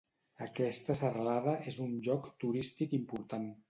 Aquesta serralada és un lloc turístic important.